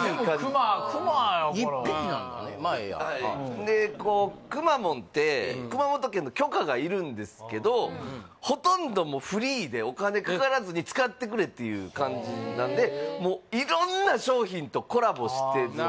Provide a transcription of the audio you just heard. まあええやこうくまモンって熊本県の許可がいるんですけどほとんどもうフリーでお金かからずに使ってくれっていう感じなんでもう色んな商品とコラボしてるんです